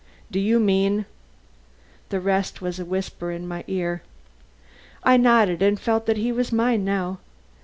"Do you mean " The rest was whispered in my ear. I nodded and felt that he was mine now.